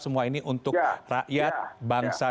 semua ini untuk rakyat bangsa